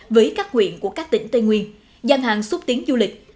với các huyện của các tỉnh tây nguyên gian hàng xúc tiến du lịch